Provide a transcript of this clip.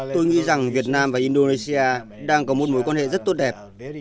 tôi nghĩ rằng việt nam và indonesia đang có một mối quan hệ rất tốt đẹp